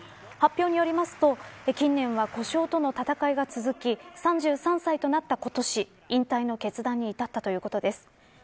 発表によりますと近年は故障との戦いが続き３３歳となった今年引退の決断に至ったということです。